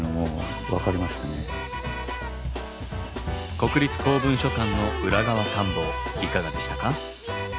国立公文書館の裏側探訪いかがでしたか？